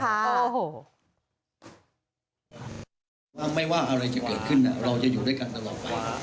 ถ้าไม่ว่าอะไรจะเกิดขึ้นเราจะอยู่ด้วยกันตลอดไป